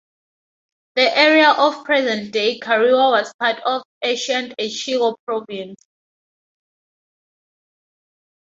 The area of present-day Kariwa was part of ancient Echigo Province.